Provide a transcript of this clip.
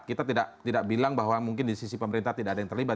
kita tidak bilang bahwa mungkin di sisi pemerintah tidak ada yang terlibat